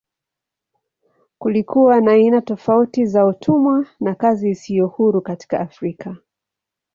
Kulikuwa na aina tofauti za utumwa na kazi isiyo huru katika Afrika.